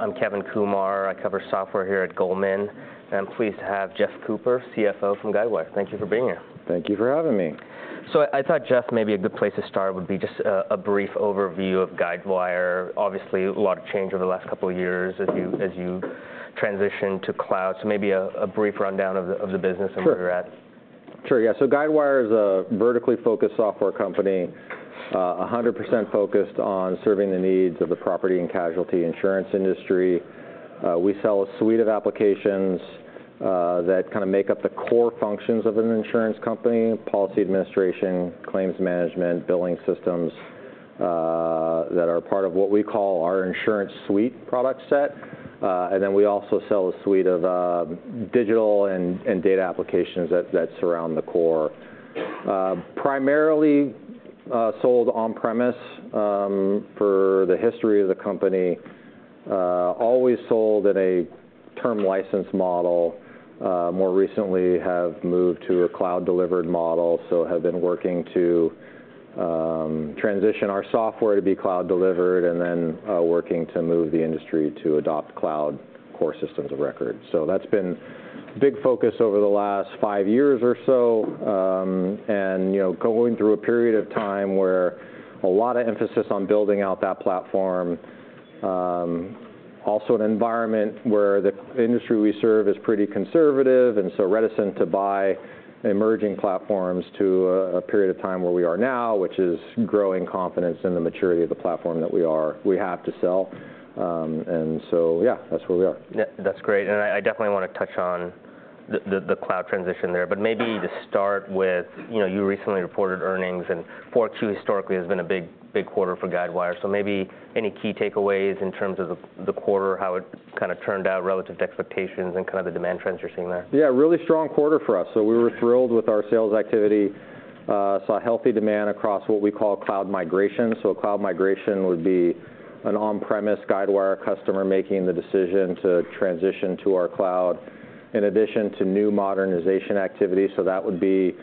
I'm Kevin Kumar. I cover software here at Goldman, and I'm pleased to have Jeff Cooper, CFO from Guidewire. Thank you for being here. Thank you for having me. I thought, Jeff, maybe a good place to start would be just a brief overview of Guidewire. Obviously, a lot of change over the last couple of years as you transition to cloud. Maybe a brief rundown of the business. Sure And where you're at? Sure, yeah. So Guidewire is a vertically-focused software company, 100% focused on serving the needs of the property and casualty insurance industry. We sell a suite of applications that kind of make up the core functions of an insurance company: policy administration, claims management, billing systems that are part of what we call our InsuranceSuite product set. And then we also sell a suite of digital and data applications that surround the core. Primarily sold on premise for the history of the company. Always sold in a term license model. More recently have moved to a cloud-delivered model, so have been working to transition our software to be cloud delivered, and then working to move the industry to adopt cloud core systems of record. So that's been a big focus over the last five years or so. You know, going through a period of time where a lot of emphasis on building out that platform. Also an environment where the industry we serve is pretty conservative, and so reticent to buy emerging platforms to a period of time where we are now, which is growing confidence in the maturity of the platform that we have to sell, and so yeah, that's where we are. Yeah, that's great. And I definitely want to touch on the cloud transition there. But maybe to start with, you know, you recently reported earnings, and Q4 historically has been a big, big quarter for Guidewire. So maybe any key takeaways in terms of the quarter, how it kind of turned out relative to expectations and kind of the demand trends you're seeing there? Yeah, a really strong quarter for us. So we were thrilled with our sales activity. Saw healthy demand across what we call cloud migration. So a cloud migration would be an on-premise Guidewire customer making the decision to transition to our cloud, in addition to new modernization activity. So that would be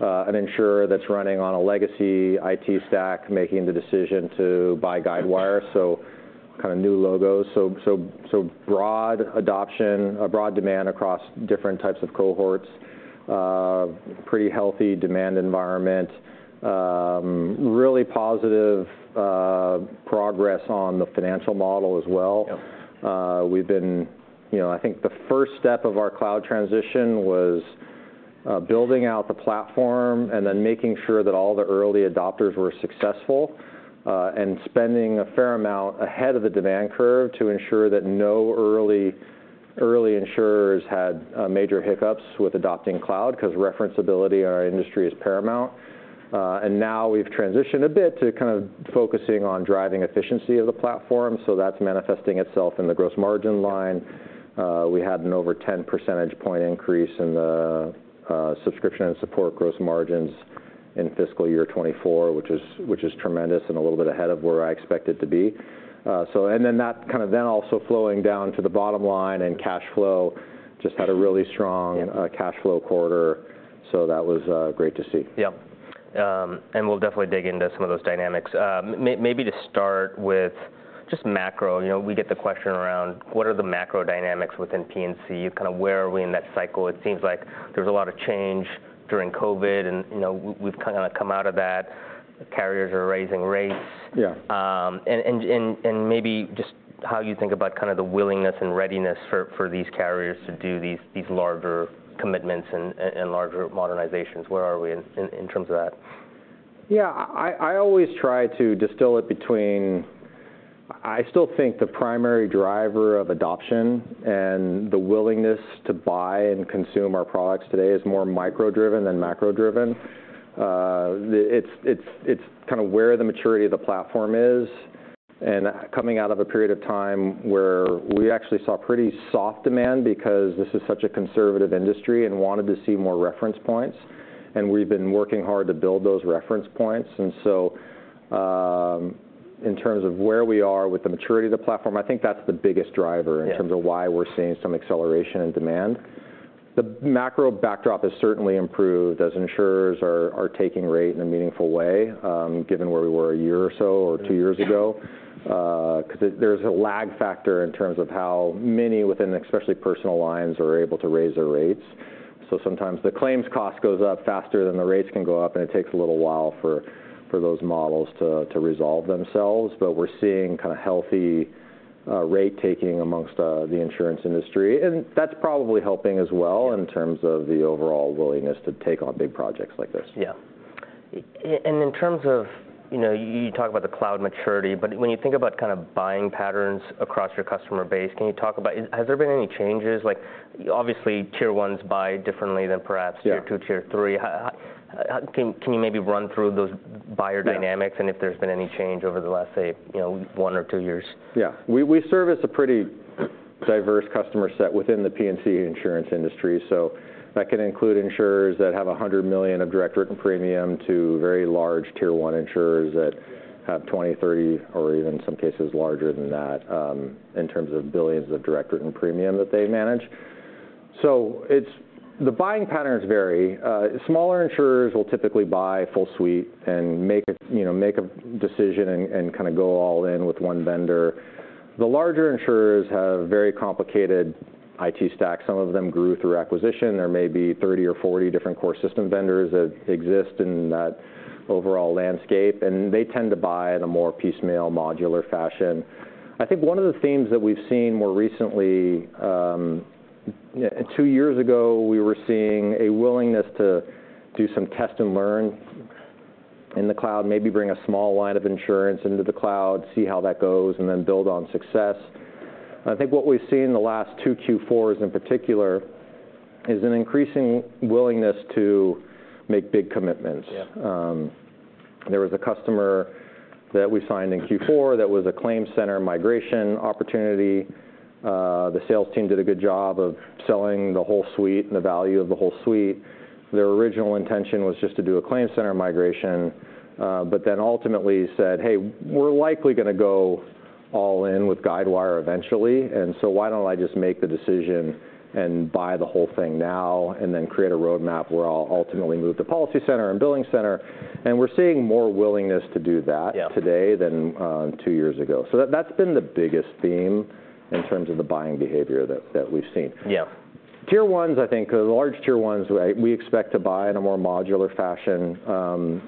an insurer that's running on a legacy IT stack, making the decision to buy Guidewire, so kind of new logos. So broad adoption, broad demand across different types of cohorts. Pretty healthy demand environment. Really positive progress on the financial model as well. We've been. You know, I think the first step of our cloud transition was building out the platform, and then making sure that all the early adopters were successful, and spending a fair amount ahead of the demand curve to ensure that no early insurers had major hiccups with adopting cloud, 'cause referenceability in our industry is paramount. And now we've transitioned a bit to kind of focusing on driving efficiency of the platform, so that's manifesting itself in the gross margin line. We had an over 10 percentage point increase in the subscription and support gross margins in fiscal year 2024, which is tremendous and a little bit ahead of where I expect it to be. So and then that kind of then also flowing down to the bottom line and cash flow, just had a really strong cash flow quarter, so that was great to see. Yeah, and we'll definitely dig into some of those dynamics. Maybe to start with just macro. You know, we get the question around: What are the macro dynamics within P&C? Kind of where are we in that cycle? It seems like there's a lot of change during COVID, and, you know, we've kind of come out of that. Carriers are raising rates. Yeah. And maybe just how you think about kind of the willingness and readiness for these carriers to do these larger commitments and larger modernizations. Where are we in terms of that? Yeah, I always try to distill it between, I still think the primary driver of adoption and the willingness to buy and consume our products today is more micro-driven than macro-driven. It's kind of where the maturity of the platform is, and coming out of a period of time where we actually saw pretty soft demand, because this is such a conservative industry, and wanted to see more reference points, and we've been working hard to build those reference points. And so, in terms of where we are with the maturity of the platform, I think that's the biggest driver. Yeah In terms of why we're seeing some acceleration and demand. The macro backdrop has certainly improved, as insurers are taking rate in a meaningful way, given where we were a year or so, or two years ago. 'Cause there, there's a lag factor in terms of how many within, especially personal lines, are able to raise their rates. So sometimes the claims cost goes up faster than the rates can go up, and it takes a little while for those models to resolve themselves. But we're seeing kind of healthy rate taking amongst the insurance industry, and that's probably helping as well in terms of the overall willingness to take on big projects like this. Yeah. And in terms of, you know, you talk about the cloud maturity, but when you think about kind of buying patterns across your customer base, can you talk about... Has there been any changes? Like, obviously, Tier 1s buy differently than perhaps Tier 2, Tier 3. How can you maybe run through those buyer dynamics and if there's been any change over the last, say, you know, one or two years? Yeah. We service a pretty diverse customer set within the P&C insurance industry, so that can include insurers that have 100 million of direct written premium to very large Tier 1 insurers that have 20, 30, or even in some cases larger than that in terms of billions of direct written premium that they manage. So the buying patterns vary. Smaller insurers will typically buy full suite and make a, you know, make a decision and kind of go all in with one vendor. The larger insurers have very complicated IT stacks. Some of them grew through acquisition. There may be thirty or forty different core system vendors that exist in that overall landscape, and they tend to buy in a more piecemeal, modular fashion. I think one of the themes that we've seen more recently. Two years ago, we were seeing a willingness to do some test and learn in the cloud, maybe bring a small line of insurance into the cloud, see how that goes, and then build on success. I think what we've seen in the last two Q4s, in particular, is an increasing willingness to make big commitments. Yeah. There was a customer that we signed in Q4 that was a ClaimCenter migration opportunity. The sales team did a good job of selling the whole suite and the value of the whole suite. Their original intention was just to do a ClaimCenter migration, but then ultimately said: "Hey, we're likely going to go all in with Guidewire eventually, and so why don't I just make the decision and buy the whole thing now, and then create a roadmap where I'll ultimately move to PolicyCenter and BillingCenter?" And we're seeing more willingness to do that today than two years ago. So that's been the biggest theme in terms of the buying behavior that we've seen. Yeah. Tier 1s, I think, the large Tier 1s, right, we expect to buy in a more modular fashion.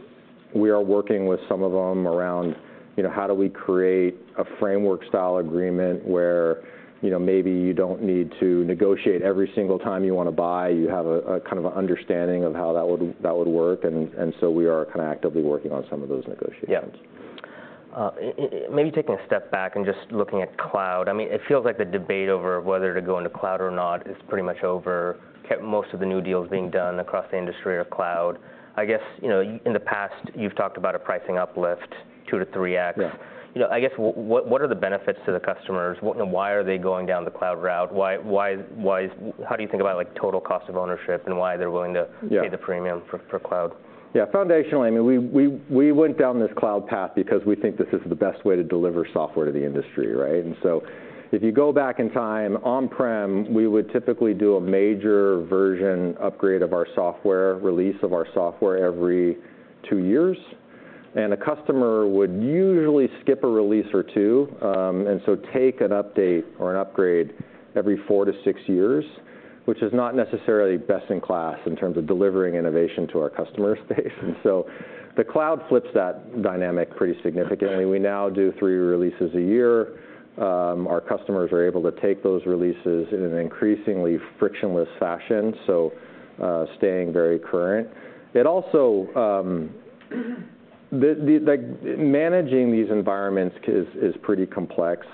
We are working with some of them around, you know, how do we create a framework-style agreement where, you know, maybe you don't need to negotiate every single time you want to buy. You have a kind of an understanding of how that would work. And so we are kind of actively working on some of those negotiations. Yeah. Maybe taking a step back and just looking at cloud. I mean, it feels like the debate over whether to go into cloud or not is pretty much over. And most of the new deals being done across the industry are cloud. I guess, you know, in the past, you've talked about a pricing uplift, 2-3x. Yeah. You know, I guess, what, what are the benefits to the customers? What- and why are they going down the cloud route? Why, why, why is... How do you think about, like, total cost of ownership, and why they're willing to pay the premium for cloud? Yeah. Foundationally, I mean, we went down this cloud path because we think this is the best way to deliver software to the industry, right? And so if you go back in time, on-prem, we would typically do a major version upgrade of our software, release of our software every two years, and a customer would usually skip a release or two. And so take an update or an upgrade every four to six years, which is not necessarily best in class in terms of delivering innovation to our customer base. And so the cloud flips that dynamic pretty significantly. We now do three releases a year. Our customers are able to take those releases in an increasingly frictionless fashion, so, staying very current. It also, like, managing these environments is pretty complex,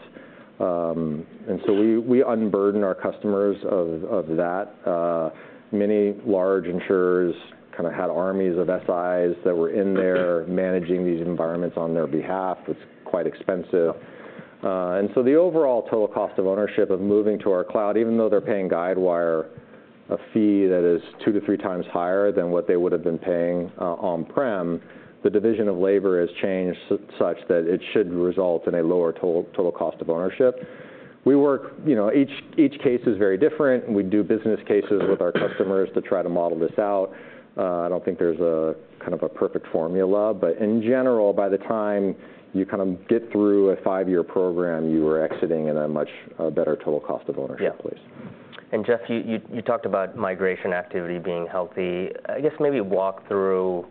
and so we unburden our customers of that. Many large insurers kind of had armies of SIs that were in there managing these environments on their behalf. It's quite expensive, and so the overall total cost of ownership of moving to our cloud, even though they're paying Guidewire a fee that is two to three times higher than what they would've been paying on-prem, the division of labor has changed such that it should result in a lower total cost of ownership. We work. You know, each case is very different, and we do business cases with our customers to try to model this out. I don't think there's a kind of a perfect formula, but in general, by the time you kind of get through a five-year program, you are exiting in a much better total cost of ownership place. Yeah. And Jeff, you talked about migration activity being healthy. I guess maybe walk through. You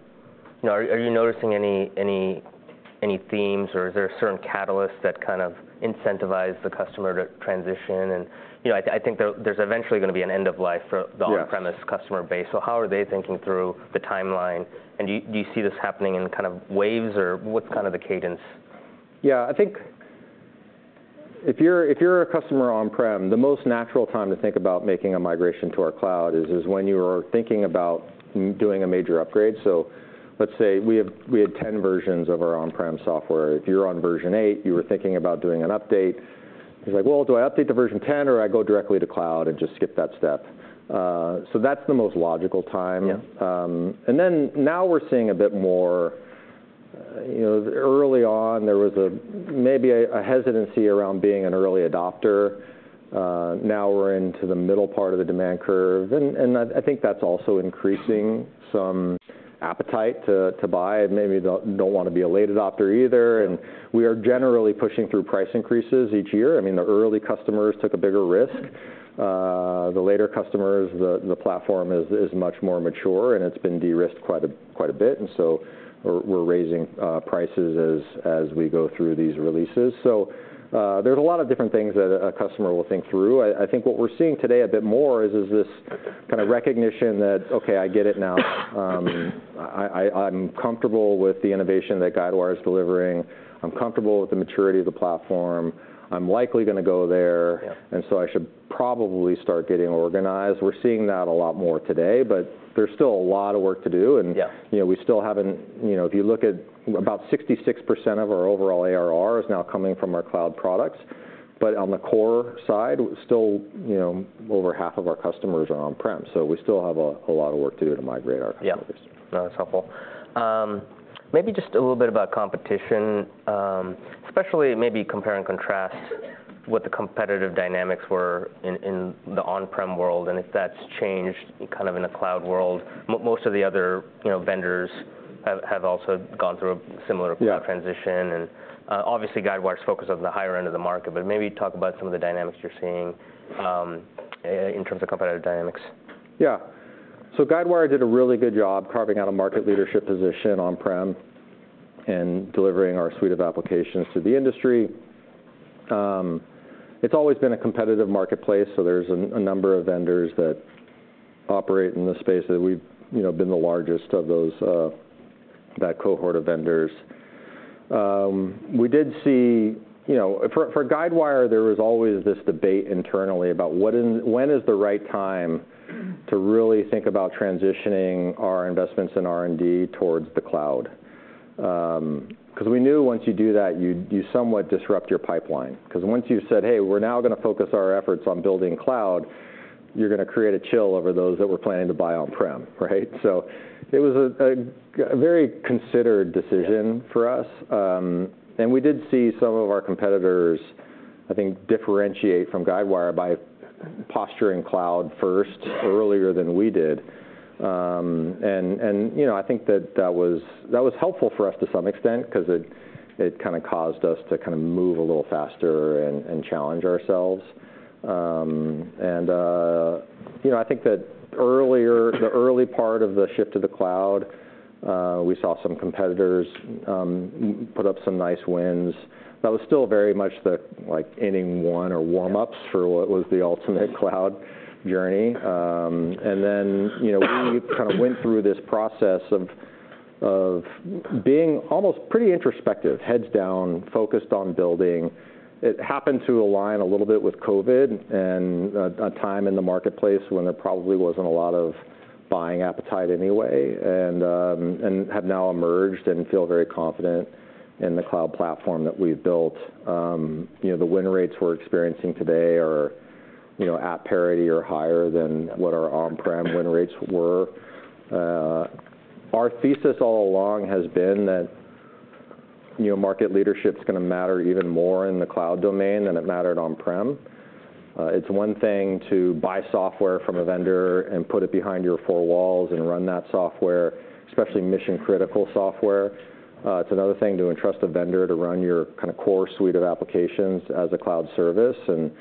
know, are you noticing any themes, or are there certain catalysts that kind of incentivize the customer to transition? And, you know, I think there's eventually going to be an end of life for the on-premise customer base. So how are they thinking through the timeline, and do you see this happening in kind of waves, or what's kind of the cadence? Yeah, I think if you're a customer on-prem, the most natural time to think about making a migration to our cloud is when you are thinking about doing a major upgrade. So let's say we had 10 versions of our on-prem software. If you're on version 8, you were thinking about doing an update. It's like, "Well, do I update to version 10, or I go directly to cloud and just skip that step?" So that's the most logical time. Yeah. And then, now we're seeing a bit more. You know, early on, there was maybe a hesitancy around being an early adopter. Now we're into the middle part of the demand curve, and I think that's also increasing some appetite to buy, and maybe don't want to be a late adopter either. We are generally pushing through price increases each year. I mean, the early customers took a bigger risk. The later customers, the platform is much more mature, and it's been de-risked quite a bit, and so we're raising prices as we go through these releases. There's a lot of different things that a customer will think through. I think what we're seeing today a bit more is this kind of recognition that, "Okay, I get it now. I'm comfortable with the innovation that Guidewire is delivering. I'm comfortable with the maturity of the platform. I'm likely going to go there and so I should probably start getting organized." We're seeing that a lot more today, but there's still a lot of work to do. Yeah And you know, we still haven't, you know, if you look at about 66% of our overall ARR is now coming from our cloud products, but on the core side, still, you know, over half of our customers are on-prem, so we still have a lot of work to do to migrate our customers. Yeah. No, that's helpful. Maybe just a little bit about competition, especially maybe compare and contrast what the competitive dynamics were in the on-prem world, and if that's changed kind of in a cloud world. Most of the other, you know, vendors have also gone through a similar- Yeah Transition. And, obviously, Guidewire's focused on the higher end of the market, but maybe talk about some of the dynamics you're seeing in terms of competitive dynamics. Yeah. So Guidewire did a really good job carving out a market leadership position on-prem and delivering our suite of applications to the industry. It's always been a competitive marketplace, so there's a number of vendors that operate in this space, that we've, you know, been the largest of those, that cohort of vendors. We did see. You know, for Guidewire, there was always this debate internally about when is the right time to really think about transitioning our investments in R&D towards the cloud? 'Cause we knew once you do that, you somewhat disrupt your pipeline. 'Cause once you've said, "Hey, we're now gonna focus our efforts on building cloud," you're gonna create a chill over those that were planning to buy on-prem, right? So it was a very considered decision for us, and we did see some of our competitors, I think, differentiate from Guidewire by posturing cloud-first earlier than we did, and you know, I think that was helpful for us to some extent, 'cause it kind of caused us to kind of move a little faster and challenge ourselves, you know, I think that earlier, the early part of the shift to the cloud, we saw some competitors put up some nice wins. That was still very much the, like, inning one or warm-ups for what was the ultimate cloud journey, and then, you know, we kind of went through this process of being almost pretty introspective, heads down, focused on building. It happened to align a little bit with COVID, and a time in the marketplace when there probably wasn't a lot of buying appetite anyway, and have now emerged and feel very confident in the cloud platform that we've built. You know, the win rates we're experiencing today are, you know, at parity or higher than what our on-prem win rates were. Our thesis all along has been that, you know, market leadership's gonna matter even more in the cloud domain than it mattered on-prem. It's one thing to buy software from a vendor and put it behind your four walls and run that software, especially mission-critical software. It's another thing to entrust a vendor to run your kind of core suite of applications as a cloud service. And,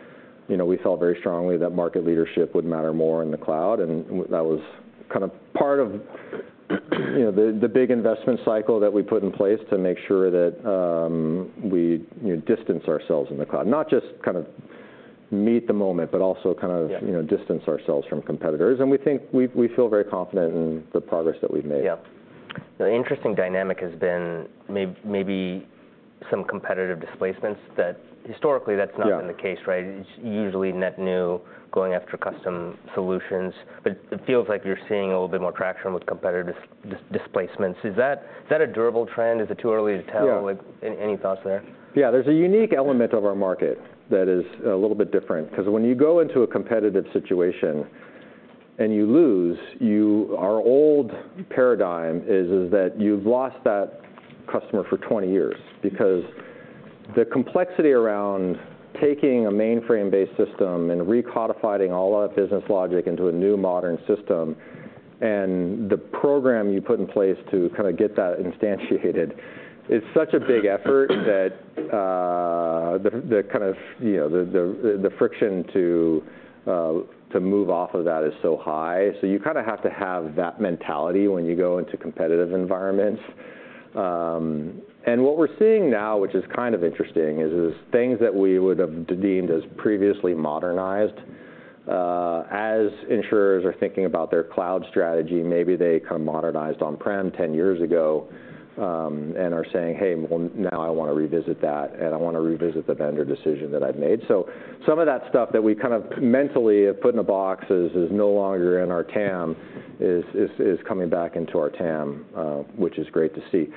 you know, we felt very strongly that market leadership would matter more in the cloud, and that was kind of part of, you know, the big investment cycle that we put in place to make sure that, we, you know, distance ourselves in the cloud. Not just kind of meet the moment, but also kind of you know, distance ourselves from competitors. And we think. We, we feel very confident in the progress that we've made. Yeah. The interesting dynamic has been maybe some competitive displacements, that historically, that's not been the case, right? It's usually net new, going after custom solutions, but it feels like you're seeing a little bit more traction with competitive displacements. Is that, is that a durable trend? Is it too early to tell? Yeah. Like, any thoughts there? Yeah. There's a unique element of our market that is a little bit different, 'cause when you go into a competitive situation and you lose. Our old paradigm is that you've lost that customer for 20 years. Because the complexity around taking a mainframe-based system and recodifying all of that business logic into a new modern system, and the program you put in place to kind of get that instantiated, it's such a big effort that the kind of, you know, the friction to move off of that is so high. So you kind of have to have that mentality when you go into competitive environments. And what we're seeing now, which is kind of interesting, is things that we would've deemed as previously modernized, as insurers are thinking about their cloud strategy, maybe they kind of modernized on-prem 10 years ago, and are saying, "Hey, well, now I want to revisit that, and I want to revisit the vendor decision that I've made." So some of that stuff that we've kind of mentally put in a box as no longer in our TAM is coming back into our TAM, which is great to see.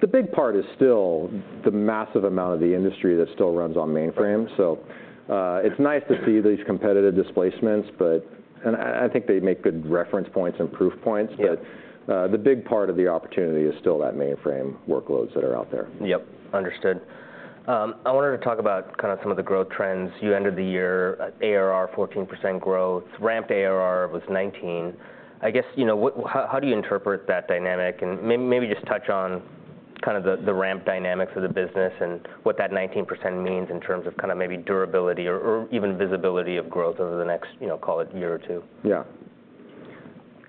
The big part is still the massive amount of the industry that still runs on mainframe. So it's nice to see these competitive displacements, but. And I think they make good reference points and proof points. Yeah. But, the big part of the opportunity is still that mainframe workloads that are out there. Yep. Understood. I wanted to talk about kind of some of the growth trends. You ended the year at ARR 14% growth, ramped ARR was 19%. I guess, you know, what-- how do you interpret that dynamic? And maybe just touch on kind of the ramp dynamics of the business and what that 19% means in terms of kind of maybe durability or even visibility of growth over the next, you know, call it year or two.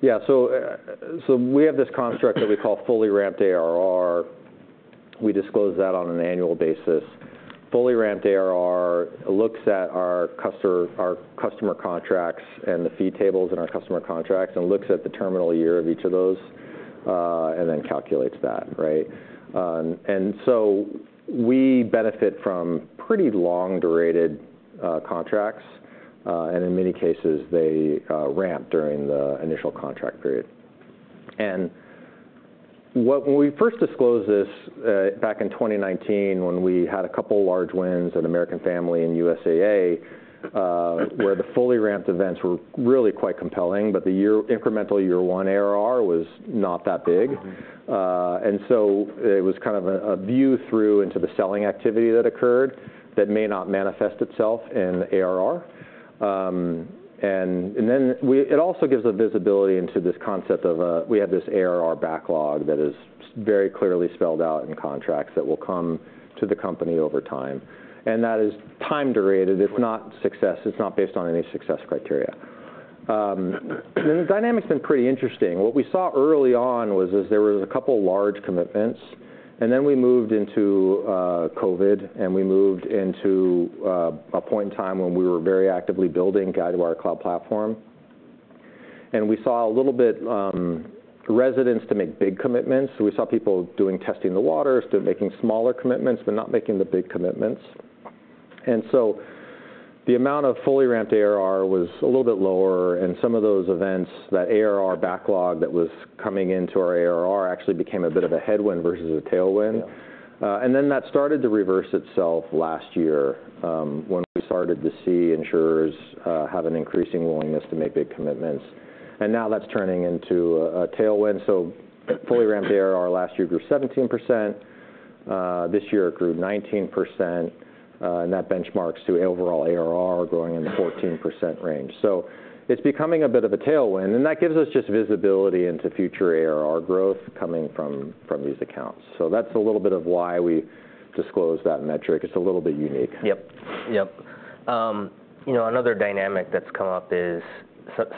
Yeah. Yeah, so, so we have this construct that we call fully ramped ARR. We disclose that on an annual basis. Fully ramped ARR looks at our customer, our customer contracts, and the fee tables in our customer contracts, and looks at the terminal year of each of those, and then calculates that, right? And so we benefit from pretty long-duration contracts, and in many cases, they ramp during the initial contract period, and when we first disclosed this, back in 2019, when we had a couple large wins in American Family and USAA, where the fully ramped events were really quite compelling, but the incremental year one ARR was not that big. And so it was kind of a view through into the selling activity that occurred that may not manifest itself in ARR. And then it also gives a visibility into this concept of we have this ARR backlog that is very clearly spelled out in contracts that will come to the company over time, and that is time-derated. It's not based on any success criteria. The dynamic's been pretty interesting. What we saw early on was there was a couple large commitments, and then we moved into COVID, and we moved into a point in time when we were very actively building Guidewire Cloud Platform, and we saw a little bit resistance to make big commitments, so we saw people doing testing the waters, making smaller commitments, but not making the big commitments. The amount of fully ramped ARR was a little bit lower, and some of those events, that ARR backlog that was coming into our ARR, actually became a bit of a headwind versus a tailwind. And then that started to reverse itself last year, when we started to see insurers have an increasing willingness to make big commitments, and now that's turning into a tailwind. So fully ramped ARR last year grew 17%. This year it grew 19%, and that benchmarks to overall ARR growing in the 14% range. So it's becoming a bit of a tailwind, and that gives us just visibility into future ARR growth coming from these accounts. So that's a little bit of why we disclose that metric. It's a little bit unique. Yep. Yep. You know, another dynamic that's come up is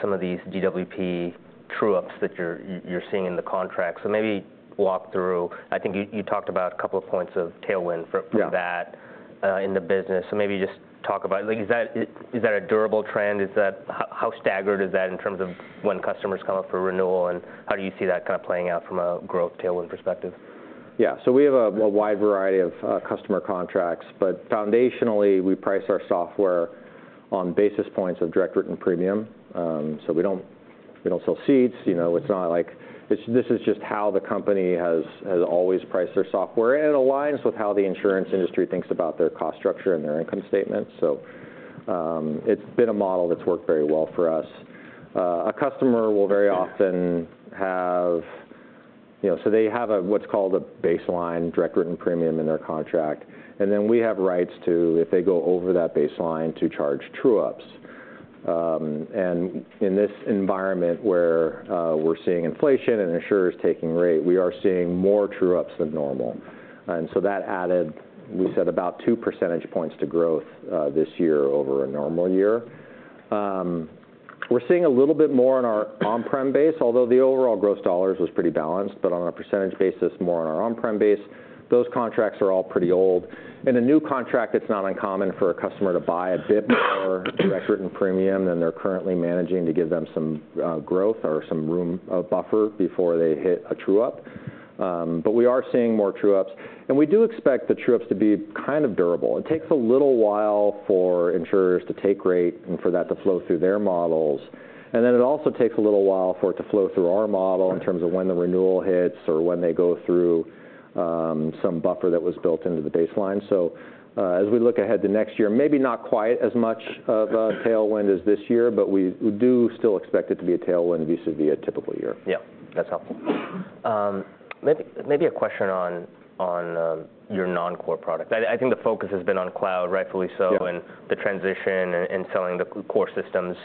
some of these GWP true-ups that you're seeing in the contracts. So maybe walk through. I think you talked about a couple of points of tailwind for from that, in the business, so maybe just talk about, like, is that a durable trend? Is that... How staggered is that in terms of when customers come up for renewal, and how do you see that kind of playing out from a growth tailwind perspective? Yeah. So we have a wide variety of customer contracts, but foundationally, we price our software on basis points of direct written premium. So we don't sell seats. You know, it's not like this, this is just how the company has always priced their software, and it aligns with how the insurance industry thinks about their cost structure and their income statement. So it's been a model that's worked very well for us. A customer will very often have. You know, so they have a what's called a baseline direct written premium in their contract, and then we have rights to, if they go over that baseline, to charge true-ups. And in this environment, where we're seeing inflation and insurers taking rate, we are seeing more true-ups than normal, and so that added, we said, about two percentage points to growth this year over a normal year. We're seeing a little bit more in our on-prem base, although the overall gross dollars was pretty balanced, but on a percentage basis, more on our on-prem base. Those contracts are all pretty old. In a new contract, it's not uncommon for a customer to buy a bit more direct written premium than they're currently managing, to give them some growth or some room buffer before they hit a true-up. But we are seeing more true-ups, and we do expect the true-ups to be kind of durable. It takes a little while for insurers to take rate and for that to flow through their models, and then it also takes a little while for it to flow through our model, in terms of when the renewal hits or when they go through some buffer that was built into the baseline. So, as we look ahead to next year, maybe not quite as much of a tailwind as this year, but we do still expect it to be a tailwind vis-à-vis a typical year. Yeah. That's helpful. Maybe a question on your non-core product. I think the focus has been on cloud, rightfully so and the transition and selling the core systems.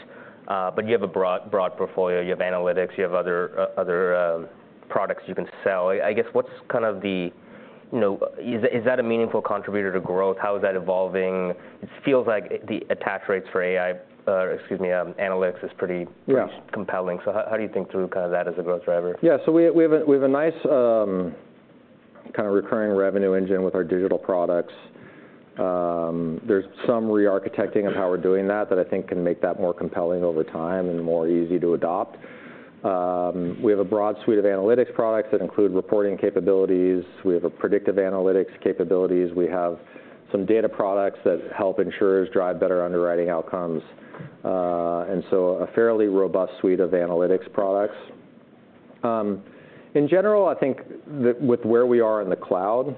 But you have a broad portfolio. You have analytics, you have other products you can sell. I guess, what's kind of the, you know, is that a meaningful contributor to growth? How is that evolving? It feels like the attach rates for AI, excuse me, analytics, is pretty compelling. So how do you think through kind of that as a growth driver? Yeah. So we have a nice kind of recurring revenue engine with our digital products. There's some re-architecting of how we're doing that that I think can make that more compelling over time and more easy to adopt. We have a broad suite of analytics products that include reporting capabilities. We have a predictive analytics capabilities. We have some data products that help insurers drive better underwriting outcomes. And so a fairly robust suite of analytics products. In general, I think with where we are in the cloud,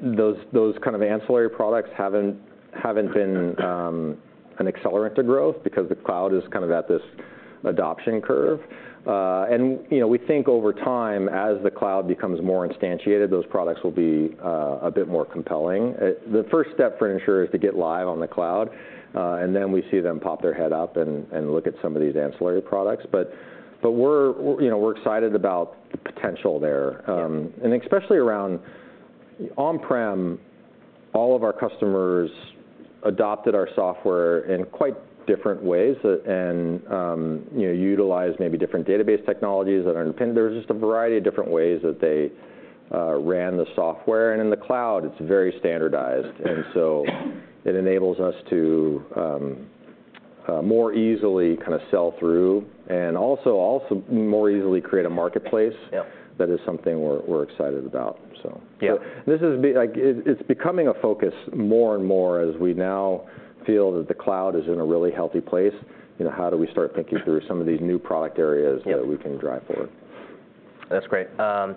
those kind of ancillary products haven't been an accelerant to growth because the cloud is kind of at this adoption curve. And, you know, we think over time, as the cloud becomes more instantiated, those products will be a bit more compelling. The first step for an insurer is to get live on the cloud, and then we see them pop their head up and look at some of these ancillary products, but you know, we're excited about the potential there. And especially around on-prem, all of our customers adopted our software in quite different ways and, you know, utilized maybe different database technologies that are, and there's just a variety of different ways that they ran the software. And in the cloud, it's very standardized. And so it enables us to more easily kind of sell through, and also more easily create a marketplace. Yeah. That is something we're excited about, so. Yeah. This is like, it's becoming a focus more and more as we now feel that the cloud is in a really healthy place. You know, how do we start thinking through some of these new product areas that we can drive forward? That's great. I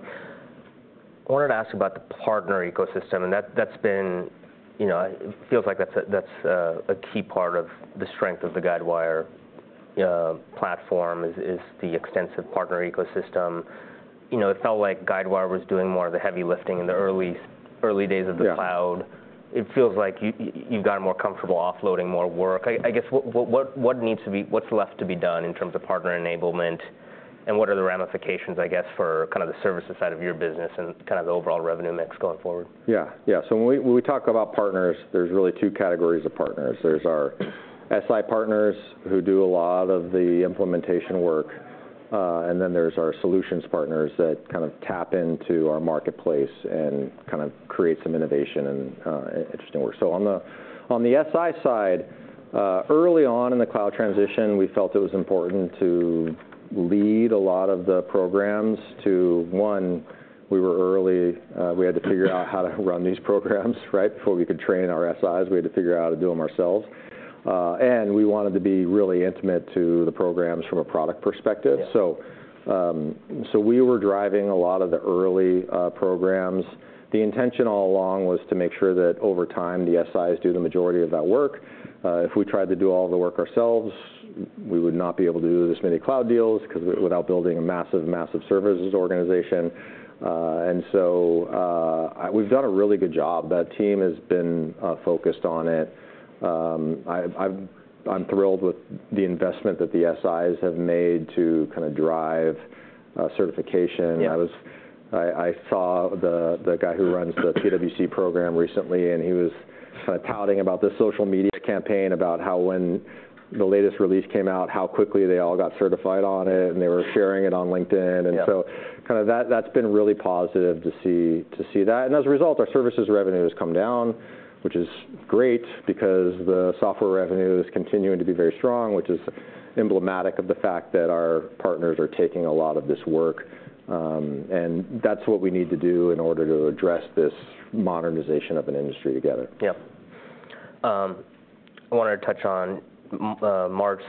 wanted to ask about the partner ecosystem, and that, that's been, you know, it feels like that's a key part of the strength of the Guidewire platform, is the extensive partner ecosystem. You know, it felt like Guidewire was doing more of the heavy lifting in the early days of the cloud. Yeah. It feels like you've gotten more comfortable offloading more work. I guess what's left to be done in terms of partner enablement, and what are the ramifications, I guess, for kind of the services side of your business and kind of the overall revenue mix going forward? Yeah. Yeah, so when we talk about partners, there's really two categories of partners. There's our SI partners, who do a lot of the implementation work, and then there's our solutions partners that kind of tap into our marketplace and kind of create some innovation and interesting work. So on the SI side, early on in the cloud transition, we felt it was important to lead a lot of the programs to, one, we were early, we had to figure out how to run these programs right? Before we could train our SIs, we had to figure out how to do them ourselves. And we wanted to be really intimate to the programs from a product perspective. Yeah. So we were driving a lot of the early programs. The intention all along was to make sure that over time, the SIs do the majority of that work. If we tried to do all the work ourselves, we would not be able to do this many cloud deals, 'cause without building a massive, massive services organization. And so we've done a really good job. That team has been focused on it. I'm thrilled with the investment that the SIs have made to kind of drive certification. Yeah. I saw the guy who runs the PwC program recently, and he was kind of touting about the social media campaign, about how when the latest release came out, how quickly they all got certified on it, and they were sharing it on LinkedIn. Yeah. And so kind of that's been really positive to see, to see that. And as a result, our services revenue has come down, which is great because the software revenue is continuing to be very strong, which is emblematic of the fact that our partners are taking a lot of this work. And that's what we need to do in order to address this modernization of an industry together. Yeah. I wanted to touch on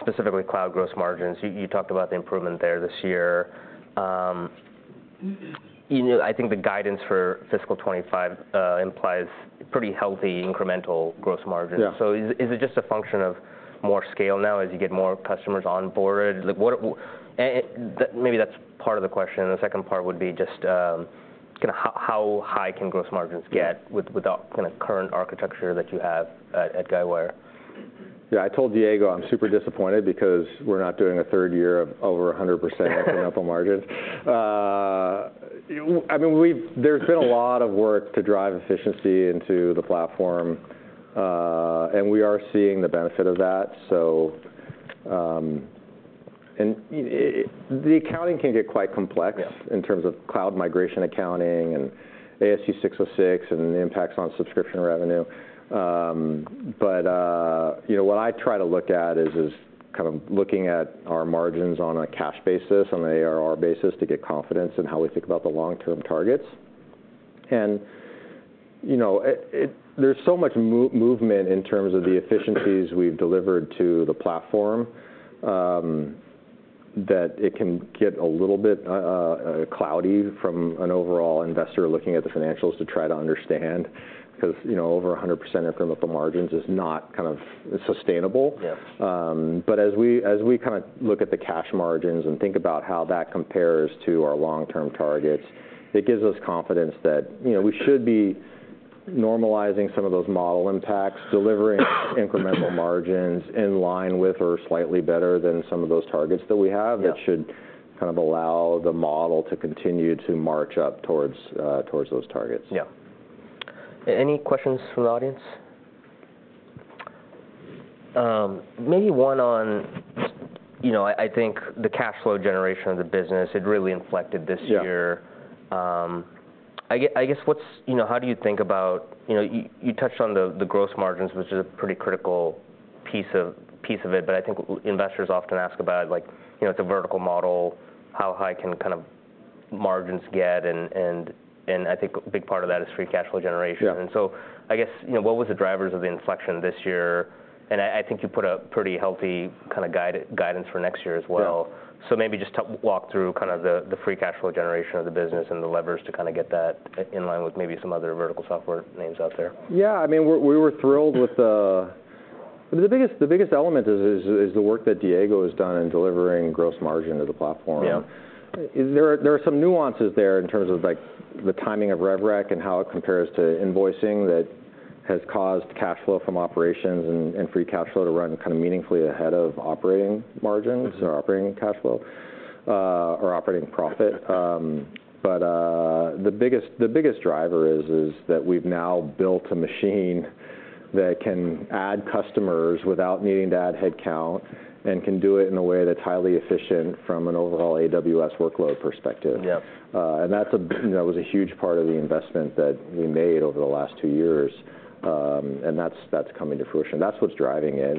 specifically cloud gross margins. You talked about the improvement there this year. You know, I think the guidance for fiscal 2025 implies pretty healthy incremental gross margin. Yeah. So is it just a function of more scale now, as you get more customers on board? Like, what and maybe that's part of the question, and the second part would be just kind of how high can gross margins get with the kind of current architecture that you have at Guidewire? Yeah, I told Diego I'm super disappointed because we're not doing a third year of over 100% incremental margins. I mean, there's been a lot of work to drive efficiency into the platform, and we are seeing the benefit of that. So, and it... The accounting can get quite complex- in terms of cloud migration accounting and ASC 606 and the impacts on subscription revenue, but you know, what I try to look at is kind of looking at our margins on a cash basis, on an ARR basis, to get confidence in how we think about the long-term targets, and you know, there's so much movement in terms of the efficiencies we've delivered to the platform, that it can get a little bit cloudy from an overall investor looking at the financials to try to understand, 'cause, you know, over 100% incremental margins is not kind of sustainable. Yeah. But as we kind of look at the cash margins and think about how that compares to our long-term targets, it gives us confidence that, you know, we should be normalizing some of those model impacts, delivering incremental margins in line with or slightly better than some of those targets that we have. Yeah. That should kind of allow the model to continue to march up towards those targets. Yeah. Any questions from the audience? Maybe one on, you know, I think the cash flow generation of the business, it really inflected this year. Yeah. I guess what's. You know, how do you think about, you know, you touched on the gross margins, which is a pretty critical piece of it, but I think investors often ask about, like, you know, it's a vertical model, how high can kind of margins get? And I think a big part of that is free cash flow generation. Yeah. And so I guess, you know, what were the drivers of the inflection this year? And I think you put a pretty healthy kind of guidance for next year as well. Yeah. Maybe just to walk through kind of the free cash flow generation of the business and the levers to kind of get that in line with maybe some other vertical software names out there. Yeah, I mean, we were thrilled with. The biggest element is the work that Diego has done in delivering gross margin to the platform. Yeah. There are some nuances there in terms of, like, the timing of rev rec and how it compares to invoicing, that has caused cash flow from operations and free cash flow to run kind of meaningfully ahead of operating margins or operating cash flow, or operating profit. But, the biggest driver is that we've now built a machine that can add customers without needing to add headcount, and can do it in a way that's highly efficient from an overall AWS workload perspective. Yeah. And that's, you know, was a huge part of the investment that we made over the last two years. And that's coming to fruition. That's what's driving it.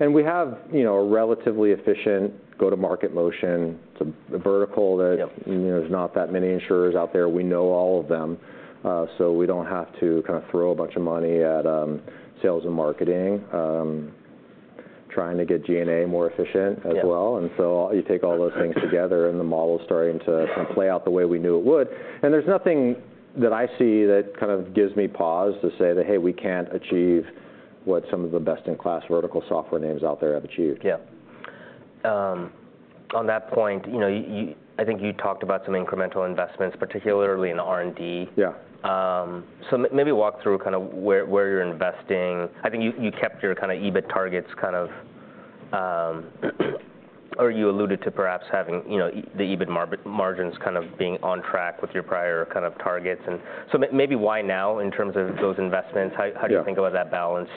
And we have, you know, a relatively efficient go-to-market motion. It's a vertical that you know, there's not that many insurers out there. We know all of them, so we don't have to kind of throw a bunch of money at sales and marketing, trying to get G&A more efficient as well. Yeah. And so you take all those things together, and the model's starting to play out the way we knew it would. And there's nothing that I see that kind of gives me pause to say that, "Hey, we can't achieve what some of the best-in-class vertical software names out there have achieved. Yeah. On that point, you know, I think you talked about some incremental investments, particularly in R&D. Yeah. Maybe walk through kind of where you're investing. I think you kept your kind of EBIT targets kind of, or you alluded to perhaps having, you know, the EBIT margins kind of being on track with your prior kind of targets, and so maybe why now, in terms of those investments? How do you think about that balance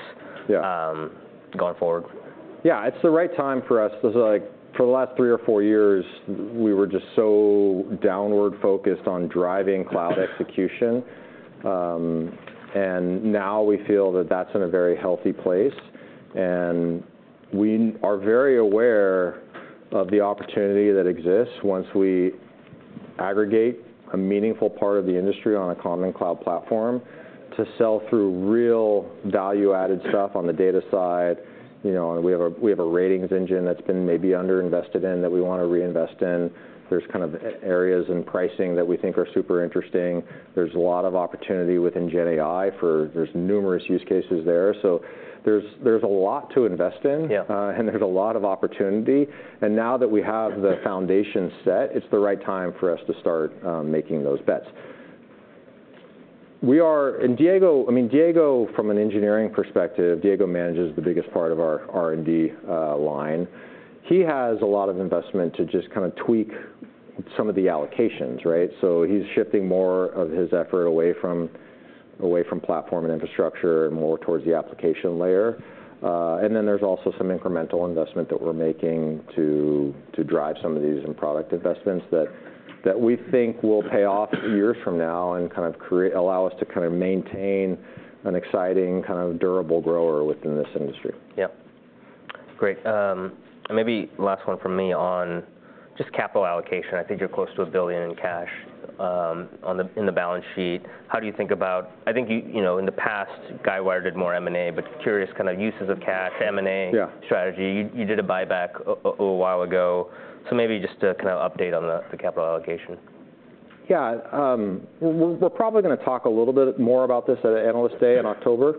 going forward? Yeah, it's the right time for us. 'Cause, like, for the last three or four years, we were just so downward focused on driving cloud execution. And now we feel that that's in a very healthy place, and we are very aware of the opportunity that exists once we aggregate a meaningful part of the industry on a common cloud platform, to sell through real value-added stuff on the data side. You know, and we have a, we have a ratings engine that's been maybe under-invested in, that we wanna reinvest in. There's kind of areas in pricing that we think are super interesting. There's a lot of opportunity within GenAI, for there's numerous use cases there. So there's a lot to invest in. Yeah And there's a lot of opportunity. And now that we have the foundation set, it's the right time for us to start making those bets. And Diego, I mean, from an engineering perspective, Diego manages the biggest part of our R&D line. He has a lot of investment to just kind of tweak some of the allocations, right? So he's shifting more of his effort away from platform and infrastructure, and more towards the application layer. And then there's also some incremental investment that we're making to drive some of these in-product investments, that we think will pay off years from now and kind of allow us to kind of maintain an exciting, kind of durable grower within this industry. Yeah. Great, and maybe last one from me on just capital allocation. I think you're close to $1 billion in cash in the balance sheet. How do you think about... I think you, you know, in the past, Guidewire did more M&A, but curious kind of uses of cash, M&A strategy. You did a buyback a while ago. So maybe just a kind of update on the capital allocation. Yeah. We'll, we're probably gonna talk a little bit more about this at Analyst Day in October.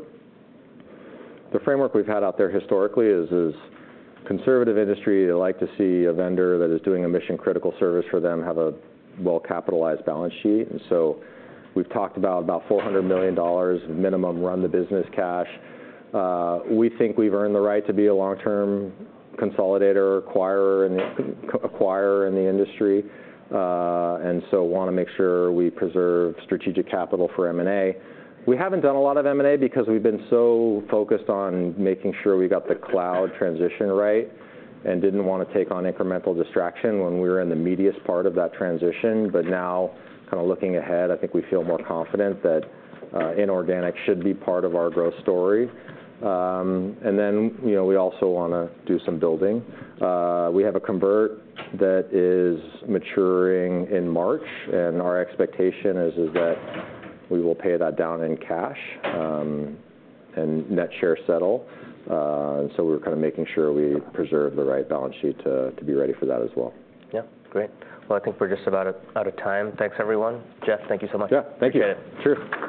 The framework we've had out there historically is conservative industry, they like to see a vendor that is doing a mission-critical service for them, have a well-capitalized balance sheet. And so we've talked about $400 million minimum, run the business cash. We think we've earned the right to be a long-term consolidator, acquirer in the industry, and so wanna make sure we preserve strategic capital for M&A. We haven't done a lot of M&A because we've been so focused on making sure we got the cloud transition right, and didn't wanna take on incremental distraction when we were in the meatiest part of that transition. But now, kind of looking ahead, I think we feel more confident that inorganic should be part of our growth story. And then, you know, we also wanna do some building. We have a convert that is maturing in March, and our expectation is that we will pay that down in cash, and net share settle. And so we're kind of making sure we preserve the right balance sheet to be ready for that as well. Yeah. Great. Well, I think we're just about out of time. Thanks, everyone. Jeff, thank you so much. Yeah. Thank you. Appreciate it. Sure.